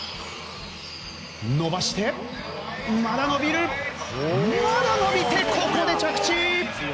伸ばして、まだ伸びるまだ伸びてここで着地！